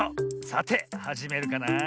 さてはじめるかなあ。